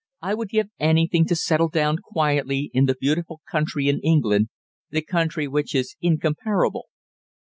I would give anything to settle down quietly in the beautiful country in England the country which is incomparable."